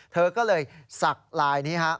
เธอก็เลยสักลายนี้ฮะ